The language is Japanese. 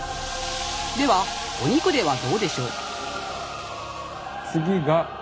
ではお肉ではどうでしょう？